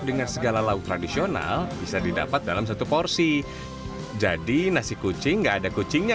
dengan segala lauk tradisional bisa didapat dalam satu porsi jadi nasi kucing enggak ada kucingnya